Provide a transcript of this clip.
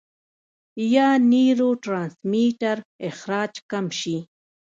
يا نيوروټرانسميټر اخراج کم شي -